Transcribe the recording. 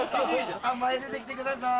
前出て来てください！